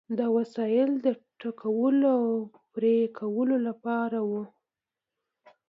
دا وسایل د ټکولو او پرې کولو لپاره وو.